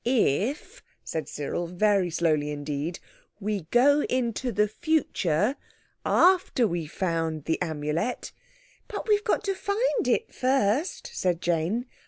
"If," said Cyril, very slowly indeed, "we go into the future—after we've found the Amulet—" "But we've got to find it first," said Jane.